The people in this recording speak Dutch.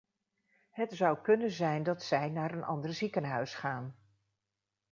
Het zou kunnen zijn dat zij naar een ander ziekenhuis gaan.